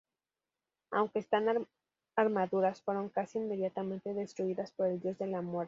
Aunque están armaduras fueron casi inmediatamente destruidas por el dios de la muerte.